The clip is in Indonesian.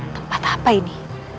tempat apa ini